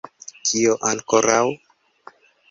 Kio ankoraŭ?